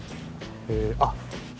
あっ！